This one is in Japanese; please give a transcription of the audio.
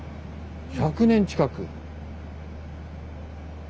１００年近く。